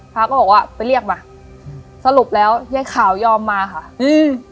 พระก็บอกว่าไปเรียกมาสรุปแล้วยายขาวยอมมาค่ะอืม